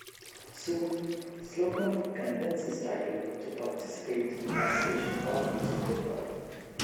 Soon, Slocum convinces Tyler to participate in gas station robberies to get by.